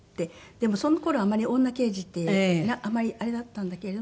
でもその頃あんまり女刑事ってあんまりあれだったんだけれど。